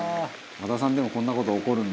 「和田さんでもこんな事起こるんだ」